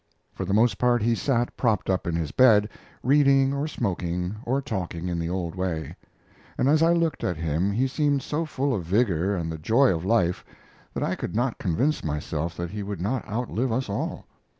For the most part, he sat propped up in his bed, reading or smoking, or talking in the old way; and as I looked at him he seemed so full of vigor and the joy of life that I could not convince myself that he would not outlive us all.